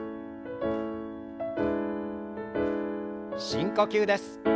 深呼吸です。